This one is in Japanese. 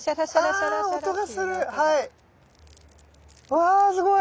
わすごい。